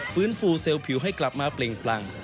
ฟื้นฟูเซลล์ผิวให้กลับมาเปล่งปลั่ง